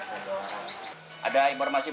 cuma disampaikan kemarin sama dari pihak kemanusiaan